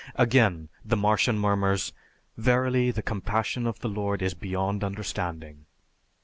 Again the Martian murmurs, "Verily, the compassion of the Lord is beyond understanding."